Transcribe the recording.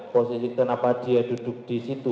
posisi kenapa dia duduk di situ